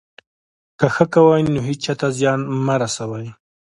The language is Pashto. که ښه کوئ، نو هېچا ته زیان مه رسوئ.